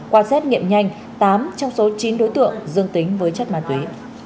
quan sát nghiệm nhanh tám trong số chín đối tượng dương tính với chất ma túy